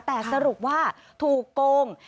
แต่สรุปว่าถูกโกง